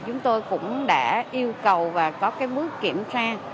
chúng tôi cũng đã yêu cầu và có cái bước kiểm tra